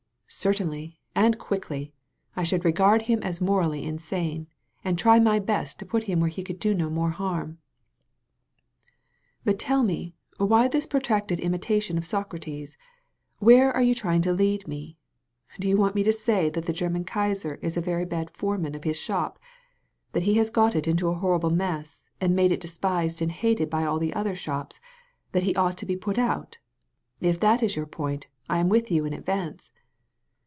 '' Certainly, and quickly! I should regard him as morally insane, and try my best to put him where he could do no more harm. But tell me why this protracted imitation of Socrates? Where are you trying to lead me? Do you want me to say that the Grerman Kaiser is a very bad foreman of his shop; that he has got it into a horrible mess and made it despised and hated by all the other shops; that he ought to be put out ? If that is your point, I am with you in advance."